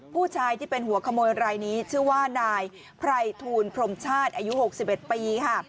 ผู้ชายที่เป็นหัวขโมยรายนี้ชื่อว่านายไพรทูลพรมชาติอายุ๖๑ปี